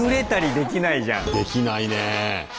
できないね。